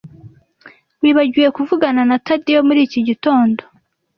Wibagiwe kuvugana na Tadeyo muri iki gitondo?